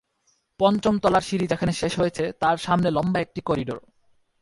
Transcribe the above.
পঞ্চম তলার সিঁড়ি যেখানে শেষ হয়েছে, তার সামনে লম্বা একটি করিডর।